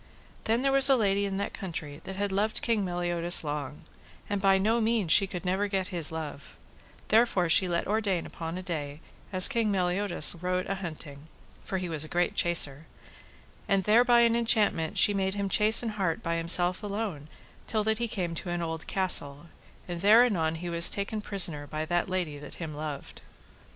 Then there was a lady in that country that had loved King Meliodas long, and by no mean she never could get his love; therefore she let ordain upon a day, as King Meliodas rode a hunting, for he was a great chaser, and there by an enchantment she made him chase an hart by himself alone till that he came to an old castle, and there anon he was taken prisoner by the lady that him loved.